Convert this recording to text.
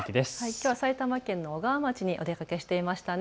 きょうは埼玉県の小川町にお出かけしていましたね。